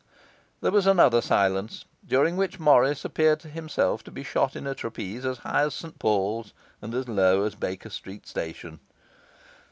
There was another silence, during which Morris appeared to himself to be shot in a trapeze as high as St Paul's, and as low as Baker Street Station.